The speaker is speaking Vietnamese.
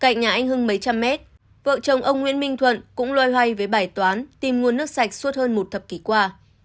cạnh nhà anh hưng mấy trăm mét vợ chồng ông nguyễn minh thuận cũng loay hoay với bài toán tìm nguồn nước sạch suốt hơn một thập kỷ qua